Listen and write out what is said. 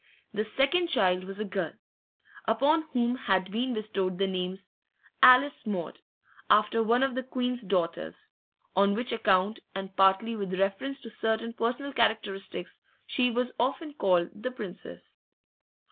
The second child was a girl, upon whom had been bestowed the names Alice Maud, after one of the Queen's daughters; on which account, and partly with reference to certain personal characteristics, she was often called 'the Princess.